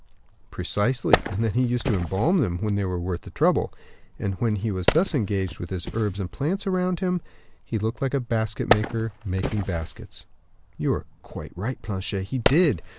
"Precisely; and then used to embalm them, when they were worth the trouble; and when he was thus engaged with his herbs and plants about him, he looked like a basket maker making baskets." "You are quite right, Planchet, he did."